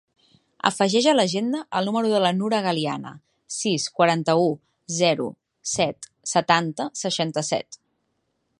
Afegeix a l'agenda el número de la Nura Galiana: sis, quaranta-u, zero, set, setanta, seixanta-set.